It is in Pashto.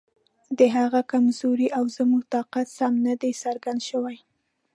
د هغه کمزوري او زموږ طاقت سم نه دی څرګند شوی.